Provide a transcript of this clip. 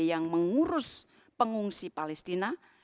yang mengurus pengungsi palestina